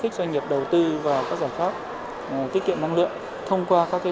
trong áp dụng các giải pháp tiết kiệm năng lượng